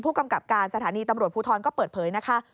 กำกับการสถานีตำรวจภูทรก็เปิดเผยนะคะ